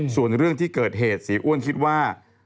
ส่วนเรื่องที่เกิดเหตุเสียอ้วนคิดว่า